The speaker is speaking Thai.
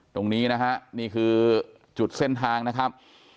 ตรงนี้นะฮะนี่คือจุดเส้นทางนะครับ